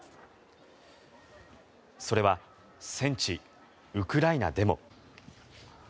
それは戦地・ウクライナでも。